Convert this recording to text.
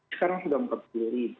sekarang sudah empat puluh ribu